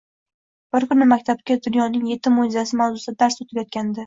Bir kuni maktabda Dunyoning etti mo``jizasi mavzusida dars o`tilayotgandi